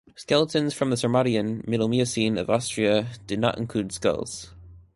Skeletons from the Sarmatian (Middle Miocene) of Austria did not include skulls.